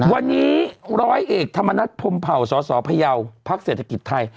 วันนี้ร้อยเอกธรรมนัฐพรมเผ่าสสพยาวพักเศรษฐกิจไทย